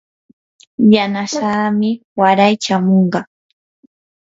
yanasamii waray chamunqa.